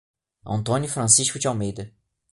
Antônio Francisco de Almeida